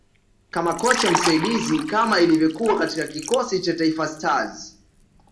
kama kocha msaidizi kama ilivyokuwa katika kikosi cha Taifa Stars